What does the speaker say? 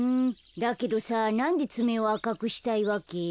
だけどさなんでつめをあかくしたいわけ？